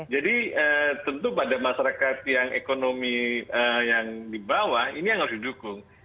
jadi tentu pada masyarakat yang ekonomi yang dibawah ini yang harus didukung